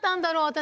私。